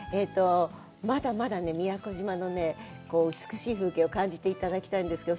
まだまだ宮古島の美しい風景を感じていただきたいんですけど。